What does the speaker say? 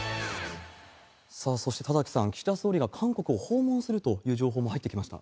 さあ、そして田崎さん、岸田総理が韓国を訪問するという情報も入ってきました。